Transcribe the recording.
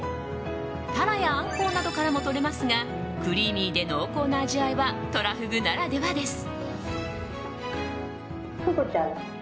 タラやアンコウなどからもとれますがクリーミーで濃厚な味わいはトラフグならではです。